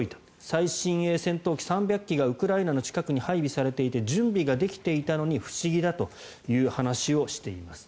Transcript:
最新鋭戦闘機３００機がウクライナの近くに配備されていて準備ができていたのに不思議だという話をしています。